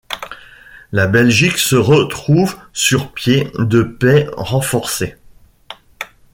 La Belgique se retrouve sur pied de paix renforcé.